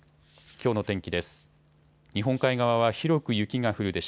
きょうの天気です。